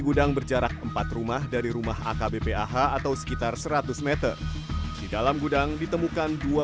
gudang berjarak empat rumah dari rumah akbp ah atau sekitar seratus m di dalam gudang ditemukan dua